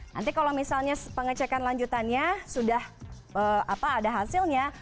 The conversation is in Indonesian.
nanti kalau misalnya pengecekan lanjutannya sudah ada hasilnya